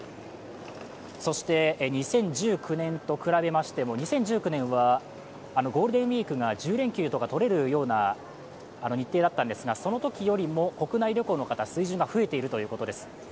そして２０１９年と比べましても、２０１９年はゴールデンウイークが１０連休とか取れるような日程だったんですが、そのときよりも国内旅行の方、数字は今増えているということです。